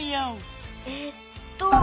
えっと。